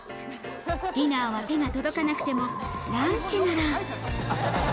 ディナーは手が届かなくてもランチなら。